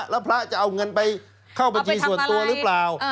แล้วพระจะเอาเงินไปเข้าบัญชีส่วนตัวหรือเปล่า